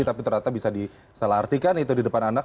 tapi ternyata bisa disalah artikan itu di depan anak